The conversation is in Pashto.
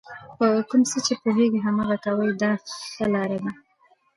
په کوم څه چې پوهېږئ هماغه کوئ دا ښه لار ده.